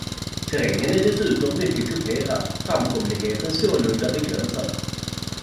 Terrängen är dessutom mycket kuperad, framkomligheten sålunda begränsad.